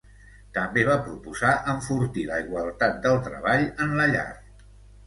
També va proposar enfortir la igualtat del treball en la llar.